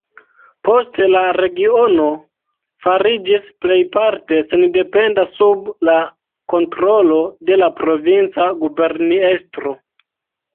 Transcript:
Poste la regiono fariĝis plejparte sendependa sub la kontrolo de la provinca guberniestro.